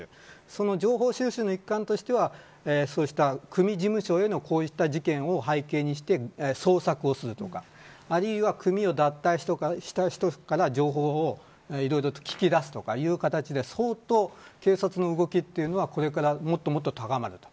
その情報収集の一環としてはそうした組事務所への事件を背景にして捜索をするとかあるいは組を脱退した人から情報を引き出すとか、いろいろな形で相当、警察の動きというのはこれからもっともっと高まると。